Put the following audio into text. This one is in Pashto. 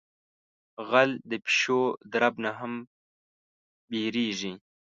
غل د پیشو درب نہ ھم یریگی.